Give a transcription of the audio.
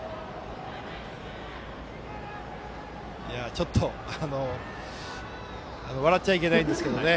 ちょっと笑っちゃいけないんですけどね